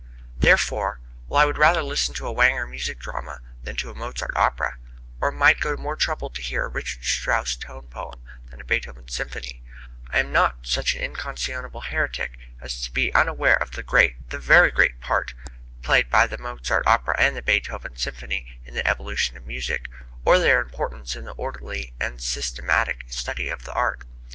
Therefore, while I would rather listen to a Wagner music drama than to a Mozart opera, or might go to more trouble to hear a Richard Strauss tone poem than a Beethoven symphony, I am not such an unconscionable heretic as to be unaware of the great, the very great part played by the Mozart opera and the Beethoven symphony in the evolution of music, or their importance in the orderly and systematic study of the art.